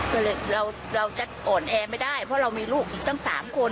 ก็เลยเราจะอ่อนแอไม่ได้เพราะเรามีลูกอีกตั้ง๓คน